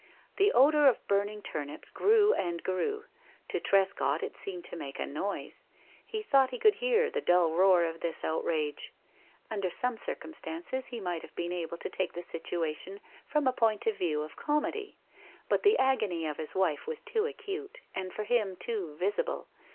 The odor of burning turnips grew and grew. To Trescott it seemed to make a noise. He thought he could hear the dull roar of this outrage. Under some circumstances he might have been able to take the situation from a point of view of comedy, but the agony of his wife was too acute, and, for him, too visible.